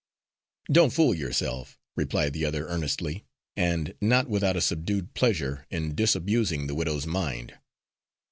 "Don't fool yourself," replied the other earnestly, and not without a subdued pleasure in disabusing the widow's mind.